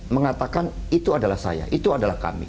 mengatakan itu adalah saya itu adalah kami